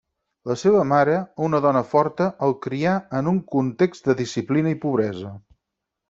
La seva mare, una dona forta, el crià en un context de disciplina i pobresa.